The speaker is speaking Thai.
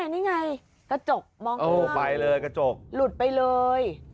นี่ไงนี่ไงกระจกมองด้วยลุดไปเลย